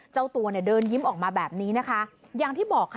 เจ้าตัวเนี่ยเดินยิ้มออกมาแบบนี้นะคะอย่างที่บอกค่ะ